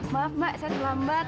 maaf mbak saya terlambat